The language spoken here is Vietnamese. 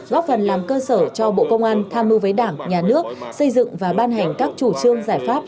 góp phần làm cơ sở cho bộ công an tham mưu với đảng nhà nước xây dựng và ban hành các chủ trương giải pháp